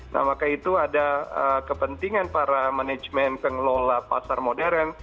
nah maka itu ada kepentingan para manajemen pengelola pasar modern